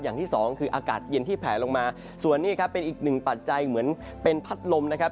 อย่างที่สองคืออากาศเย็นที่แผลลงมาส่วนนี้ครับเป็นอีกหนึ่งปัจจัยเหมือนเป็นพัดลมนะครับ